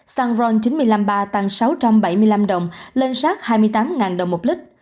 xăng ron chín trăm năm mươi ba tăng sáu trăm bảy mươi năm đồng lên sát hai mươi tám đồng một lít